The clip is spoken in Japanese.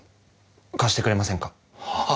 貸してくれませんか？は？